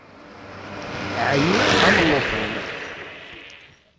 Ɛyiɣ am llufan.